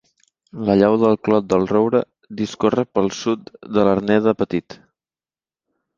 La llau del Clot del Roure discorre pel sud de l'Arner de Petit.